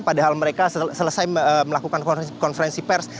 padahal mereka selesai melakukan konferensi pers